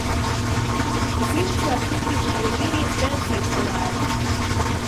He seemed to have taken an immediate fancy to the lad.